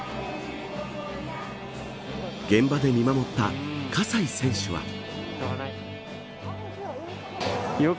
現場で見守った葛西選手は。